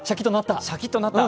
シャキッとなった！